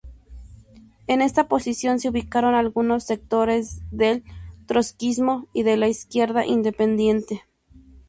En esta posición se ubicaron algunos sectores del trotskismo y de la izquierda independiente.